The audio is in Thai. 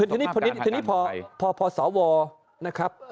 คือทีนี้พอสวนะครับ